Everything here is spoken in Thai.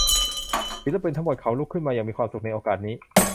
ศิลปินทั้งหมดเขาลุกขึ้นอย่างมีความสุขในโอกาสนี้